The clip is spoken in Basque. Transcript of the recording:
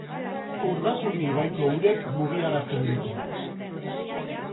Urdazuri ibaiko urek mugiarazten dute.